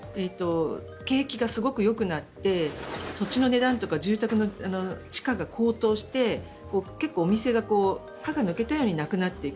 景気がすごくよくなって土地の値段とか住宅の地価が高騰して結構お店が歯が抜けたようになくなっていく。